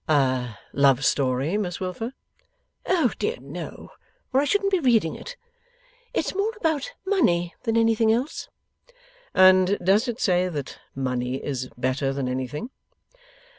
'A love story, Miss Wilfer?' 'Oh dear no, or I shouldn't be reading it. It's more about money than anything else.' 'And does it say that money is better than anything?